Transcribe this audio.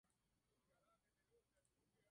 Se presentaron varias quejas que no se atendieron.